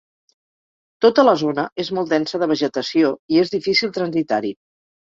Tota la zona és molt densa de vegetació i és difícil transitar-hi.